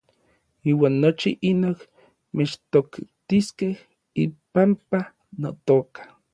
Iuan nochi inoj mechtoktiskej ipampa notoka.